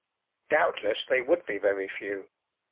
Doubtless they would be very few.